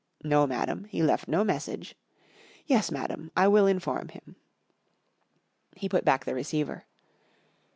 No, madam, lie left no message. Yes, madam, ! will inform him,/' He put hack the receiver.